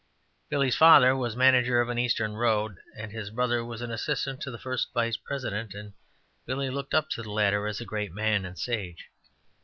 Billy's father was manager of an Eastern road, and his brother was assistant to the first vice president, and Billy looked up to the latter as a great man and a sage.